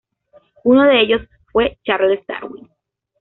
Uno de ellos fue Charles Darwin.